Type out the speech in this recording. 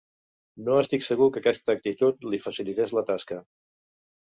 No estic segur que aquesta actitud li facilités la tasca.